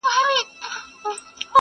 ویل ځه مخته دي ښه سلا مُلاجانه٫